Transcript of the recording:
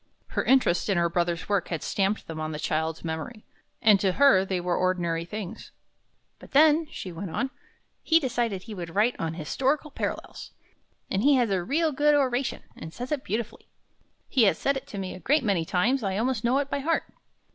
Her interest in her brother's work had stamped them on the child's memory, and to her they were ordinary things. "But then," she went on, "he decided that he would write on 'Historical Parallels,' and he has a real good oration, and says it beautifully. He has said it to me a great many times. I almost know it by heart.